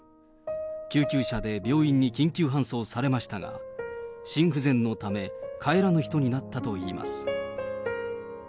救急車で病院に緊急搬送されましたが、心不全のため帰らぬ人になったといいます。